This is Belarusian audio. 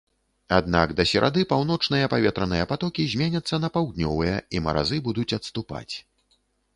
Аднак да серады паўночныя паветраныя патокі зменяцца на паўднёвыя і маразы будуць адступаць.